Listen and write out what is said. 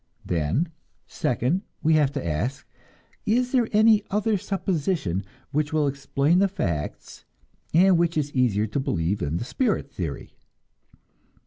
Then, second, we have to ask, Is there any other supposition which will explain the facts, and which is easier to believe than the spirit theory?